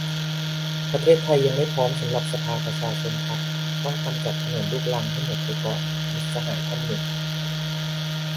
"ประเทศไทยยังไม่พร้อมสำหรับสภาประชาชนครับ ต้องกำจัดถนนลูกรังให้หมดไปก่อน" - มิตรสหายท่านหนึ่ง